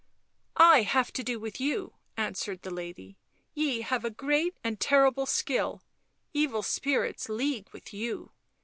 " I have to do with you," answered the lady. " Ye have a great, a terrible skill, evil spirits league with you